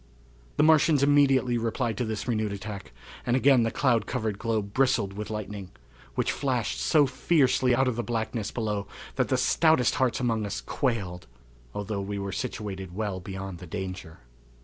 The Martians immediately replied to this renewed attack, and again the cloud covered globe bristled with lightning, which flashed so fiercely out of the blackness below that the stoutest hearts among us quailed, although we were situated well beyond the danger.